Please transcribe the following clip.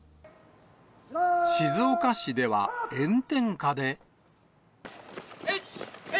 静岡市では、炎天下で。